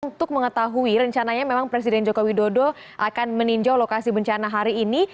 untuk mengetahui rencananya memang presiden joko widodo akan meninjau lokasi bencana hari ini